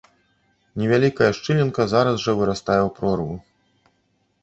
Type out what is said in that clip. Невялікая шчылінка зараз жа вырастае ў прорву.